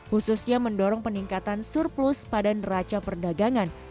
khususnya mendorong peningkatan surplus pada neraca perdagangan